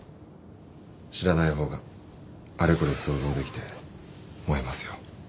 知らない方があれこれ想像できて燃えますよ。